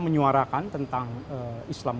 menyuarakan tentang islam